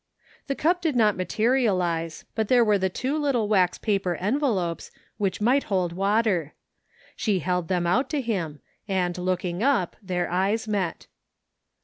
The cup did not materialize, but there were the two little wax paper envelopes, which might hold water. She held them out to him, and looking up, their eyes met.